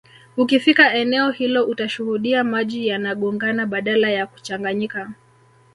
Ukifika eneo hilo utashuhudia maji yanagongana badala ya kuchanganyika